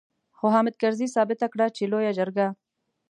خو حامد کرزي ثابته کړه چې لويه جرګه.